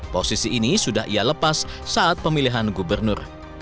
posisi ini sudah ia lepas saat pemilihan gubernur